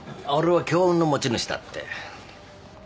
俺は強運の持ち主だって。